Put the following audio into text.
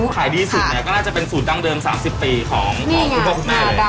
ขายดีสุดเนี่ยก็น่าจะเป็นสูตรดั้งเดิม๓๐ปีของคุณพ่อคุณแม่เลย